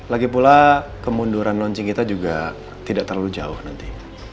lagipula kemunduran launching kita juga tidak terlalu jauh nanti